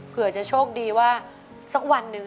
เผื่อจะโชคดีว่าสักวันหนึ่ง